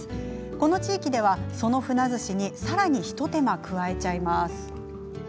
この地域では、そのふなずしにさらに一手間、加えちゃいます。